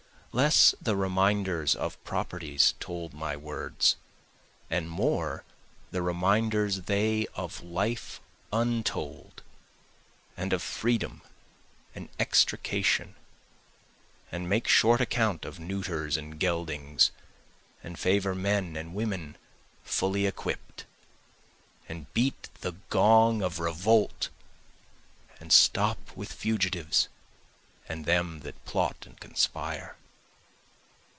Less the reminders of properties told my words, And more the reminders they of life untold, and of freedom and extrication, And make short account of neuters and geldings, and favor men and women fully equipt, And beat the gong of revolt, and stop with fugitives and them that plot and conspire.